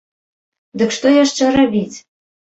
Дык што яшчэ рабіць?